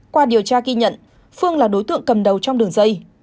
qua điều tra ghi nhận phương là đối tượng cầm đầu trong đường dây